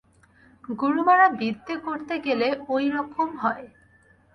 গুরুমারা বিদ্যে করতে গেলে ঐ-রকম হয়।